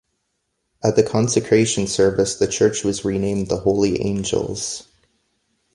At the consecration service the church was renamed 'The Holy Angels'.